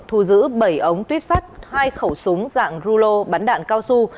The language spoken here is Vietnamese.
thu giữ bảy ống tuyếp sắt hai khẩu súng dạng rulo bắn đạn cao su